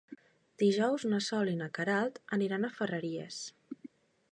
Dijous na Sol i na Queralt aniran a Ferreries.